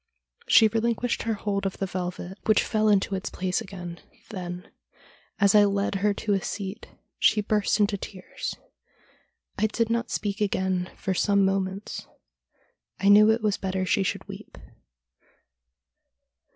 She relinquished her hold of the velvet, which fell into its place again ; then, as I led her to a seat, she burst into tears. I did not speak again for some moments. I knew it was better she should weep.